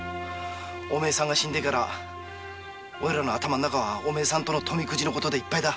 おめえが死んでからオイラの頭の中はおめえさんと富くじの事でいっぱいだ。